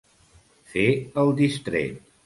Fer el distret.